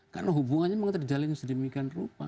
karena hubungannya memang terjalin sedemikian rupa